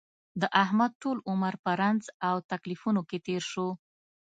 د احمد ټول عمر په رنځ او تکلیفونو کې تېر شو.